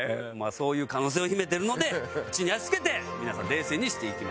そういう可能性を秘めてるので地に足つけて皆さん冷静にしていきましょうと。